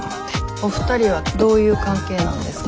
お二人はどういう関係なんですか？